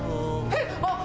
えっ！